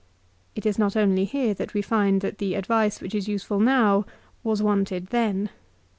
4 It is not only here that we find that the advice which is useful now was wanted then.